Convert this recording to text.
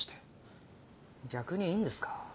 逆にいいんですか？